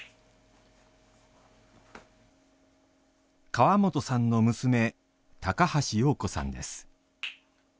川本さんの娘高橋庸子さんです。